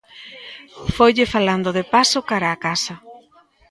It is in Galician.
Foille falando de paso cara á casa.